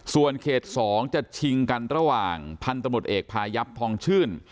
ส่วนเขต๒จะชิงกันระหว่างพันธมตเอกพายับทองชื่น